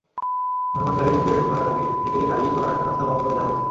হনুমানগড়ি মন্দিরে ঢোকার আগে থেকেই গাড়ি চলার রাস্তা বন্ধ করে দেওয়া হয়েছে।